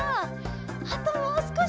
あともうすこし！